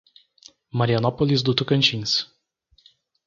Marianópolis do Tocantins